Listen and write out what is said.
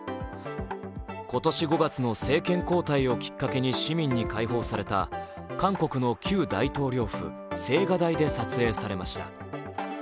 今年５月の政権交代をきっかけに市民に開放された韓国の旧大統領府・青瓦台で撮影されました。